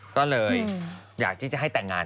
ก็เลยอยากที่จะให้แต่งงาน